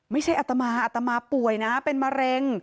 อัตมาอัตมาป่วยนะเป็นมะเร็ง